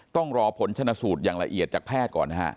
ต้องรอผลชนะสูตรอย่างละเอียดจากแพทย์ก่อนนะฮะ